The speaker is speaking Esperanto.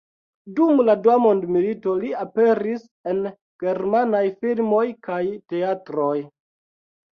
Dum la Dua mondmilito li aperis en germanaj filmoj kaj teatroj.